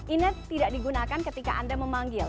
ini tidak digunakan ketika anda memanggil